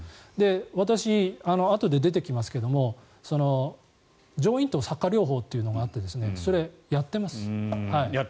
私、あとで出てきますけど上咽頭擦過療法というのがあってそれをやってます。